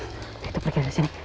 kita pergi dari sini